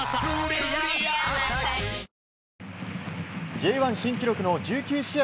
Ｊ１新記録の１９試合